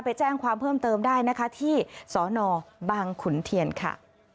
ไปแจ้งความเพิ่มเติมได้นะคะที่สนบางขุนเทียนค่ะ